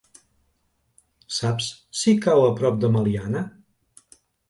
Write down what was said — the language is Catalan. Saps si cau a prop de Meliana?